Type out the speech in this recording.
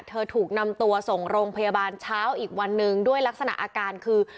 ถูกนำตัวส่งโรงพยาบาลเช้าอีกวันหนึ่งด้วยลักษณะอาการคือ